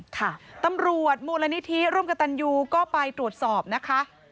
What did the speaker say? ค่ะตำรวจมูลนิธิร่วมกับตันยูก็ไปตรวจสอบนะคะ